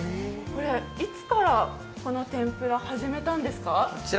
いつからこの天ぷら始めたんですか？